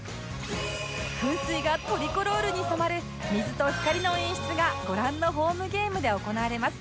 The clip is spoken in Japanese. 噴水がトリコロールに染まる水と光の演出がご覧のホームゲームで行われます